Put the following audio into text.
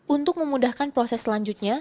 untuk memudahkan proses selanjutnya